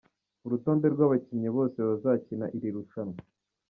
Urutonde rw’abakinnyi bose bazakina irir rushanwa.